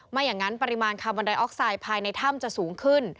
ไม่อย่างนั้นปริมาณคาร์บอนไดออกไซด์ภายในถ้ำจะสูงขึ้น